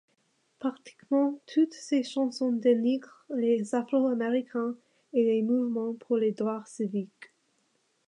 Pratiquement toutes ses chansons dénigrent les afro-américains et les mouvements pour les droits civiques.